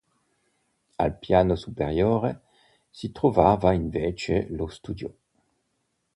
Al piano superiore, si trovava invece lo studio.